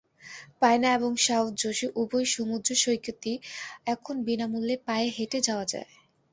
প্রাইনা এবং Sao Jose উভয় সমুদ্র সৈকতই এখন বিনা মূল্যে পায়ে হেঁটে যাওয়া যায়।